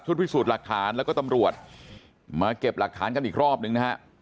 พิสูจน์หลักฐานแล้วก็ตำรวจมาเก็บหลักฐานกันอีกรอบนึงนะฮะ